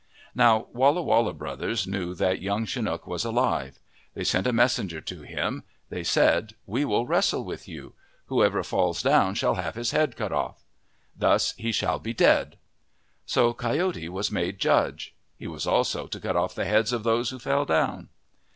Now Walla Walla brothers knew that Young Chi nook was alive. They sent a messenger to him. They said :" We will wrestle with you. Whoever falls down shall have his head cut ofF. Thus he shall be dead." So Coyote was made judge. He was also to cut off the heads of those who fell down.